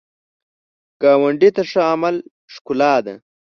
ګاونډي ته ښه عمل ښکلا ده